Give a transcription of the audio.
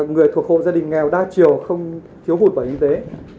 người thuộc hộ gia đình nghèo đa chiều không thiếu hụt bệnh y tế